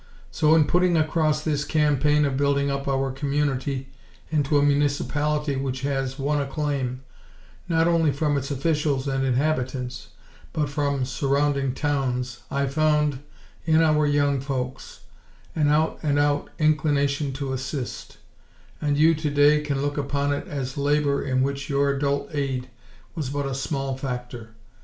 So, in putting across this campaign of building up our community into a municipality which has won acclaim, not only from its officials and inhabitants, but from surrounding towns I found, in our young folks, an out and out inclination to assist; and you, today, can look upon it as labor in which your adult aid was but a small factor.